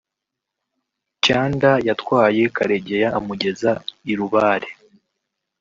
Kyanda yatwaye Karegeya amugeza i Rubare